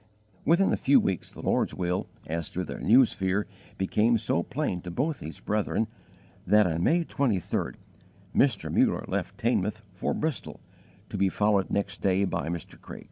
Within a few weeks the Lord's will, as to their new sphere, became so plain to both these brethren that on May 23d Mr. Muller left Teignmouth for Bristol, to be followed next day by Mr. Craik.